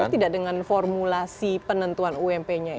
tapi tidak dengan formulasi penentuan ump nya